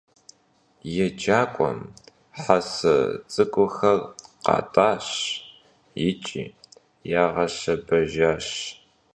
Yêcak'uem hese ts'ık'uxer khat'aş yiç'i yağeşebejjaş.